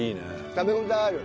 食べ応えある。